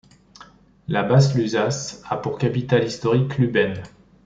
La Basse-Lusace a pour capitale historique Lübben.